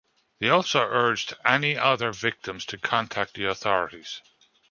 They also urged any other victims to contact the authorities.